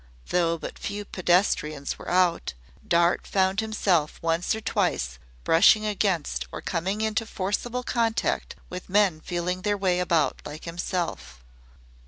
Though but few pedestrians were out, Dart found himself once or twice brushing against or coming into forcible contact with men feeling their way about like himself.